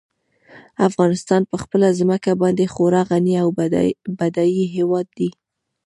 افغانستان په خپله ځمکه باندې خورا غني او بډای هېواد دی.